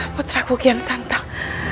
putraku kian santang